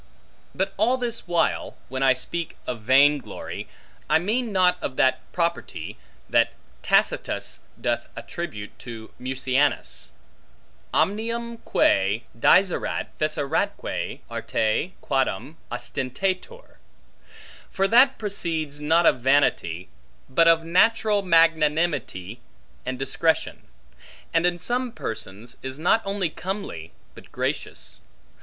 But all this while, when I speak of vain glory, I mean not of that property, that Tacitus doth attribute to Mucianus; Omnium quae dixerat feceratque arte quadam ostentator: for that proceeds not of vanity, but of natural magnanimity and discretion; and in some persons, is not only comely, but gracious.